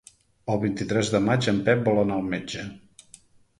El vint-i-tres de maig en Pep vol anar al metge.